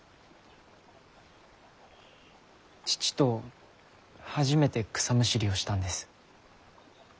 父と初めて草むしりをしたんです。